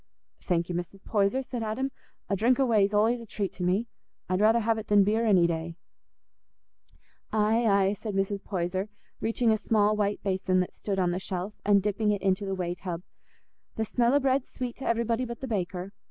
"Thank you, Mrs. Poyser," said Adam; "a drink o' whey's allays a treat to me. I'd rather have it than beer any day." "Aye, aye," said Mrs. Poyser, reaching a small white basin that stood on the shelf, and dipping it into the whey tub, "the smell o' bread's sweet t' everybody but the baker.